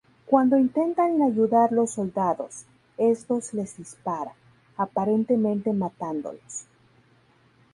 Cuando intentan ayudar los soldados, estos les disparan, aparentemente matándolos.